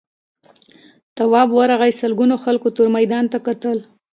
تواب ورغی سلگونو خلکو تور میدان ته کتل.